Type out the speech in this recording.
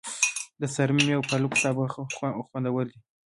د څارمي او پالکو سابه خوندور وي.